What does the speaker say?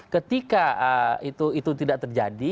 ketika itu tidak terjadi